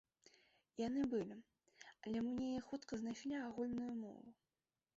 Яны былі, але мы неяк хутка знайшлі агульную мову.